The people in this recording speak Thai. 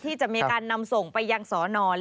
ที่จะมีการนำส่งไปยังสอนอน